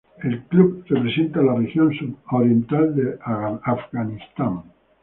El club representa la región sudoriental de Afganistán.